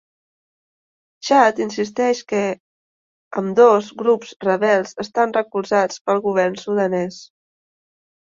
Txad insisteix que ambdós grups rebels estan recolzats pel govern sudanès.